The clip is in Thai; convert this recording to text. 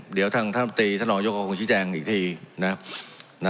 เดี๋ยวทางท่านพระมจิท่านรอโยคคุณชิแจงอีกทีนะน่ะ